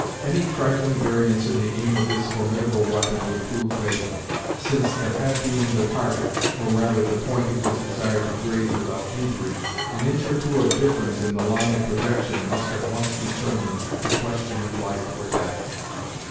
Any trifling variance in the aim of this formidable weapon would prove fatal; since, the head being the target, or rather the point it was desired to graze without injuring, an inch or two of difference in the line of projection must at once determine the question of life or death.